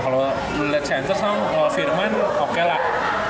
kalau lu lihat center kalau firman oke lah